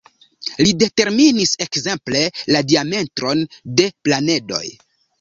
Li determinis ekzemple, la diametron de planedoj.